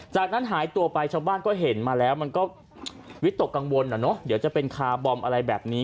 จากนั้นหายตัวไปชาวบ้านก็เห็นมาแล้วมันก็วิตกกังวลเดี๋ยวจะเป็นคาร์บอมอะไรแบบนี้